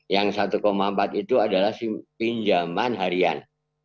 yang satu empat itu adalah pinjaman harian